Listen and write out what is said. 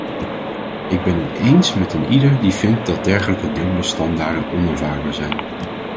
Ik ben het eens met eenieder die vindt dat dergelijke dubbele standaarden onaanvaardbaar zijn.